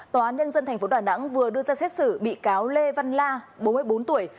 tòa án nhân dân tp đà nẵng vừa đưa ra xét xử bị cáo lê văn la bốn mươi bốn tuổi